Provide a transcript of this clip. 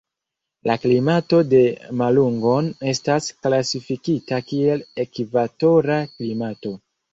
La klimato de Malungon estas klasifikita kiel ekvatora klimato.